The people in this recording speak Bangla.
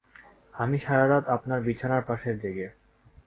আমি সারা রাত আপনার বিছানার পাশে জেগে।